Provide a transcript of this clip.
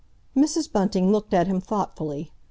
Mrs. Bunting looked at him thoughtfully.